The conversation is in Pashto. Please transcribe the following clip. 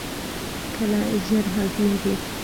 کېله ژر هضمېږي.